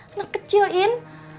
anak kecil yain